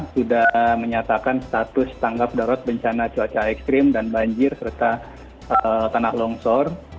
sudah menyatakan status tanggap darurat bencana cuaca ekstrim dan banjir serta tanah longsor